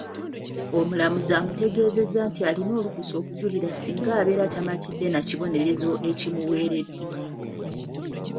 Omulamuzi amutegeezezza nti alina olukusa okujulira singa abeera tamatidde na kibonerezo ekimuweereddwa.